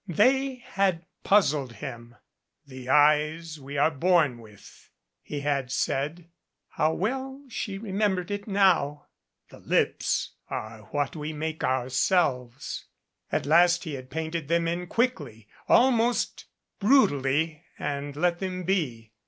They had puzzled him. "The eyes we are born with," he had said 288 CIRCE r AND THE FOSSIL how well she remembered it now! "The lips are what we make ourselves." At last he had painted them in quickly almost brutally and let them be.